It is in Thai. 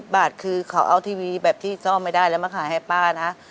บาทคือเขาเอาทีวีแบบที่ซ่อมไม่ได้แล้วมาขายให้ป้านะ